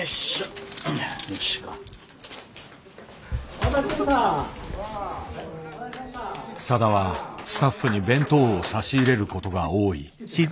さだはスタッフに弁当を差し入れることが多い。